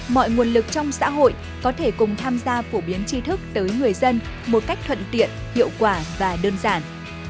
mọi nguồn lực trong xã hội có thể cùng tham gia phổ biến chi thức tới người dân một cách thuận tiện hiệu quả và đơn giản